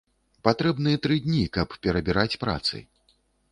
Патрэбны тры дні, каб перабіраць працы.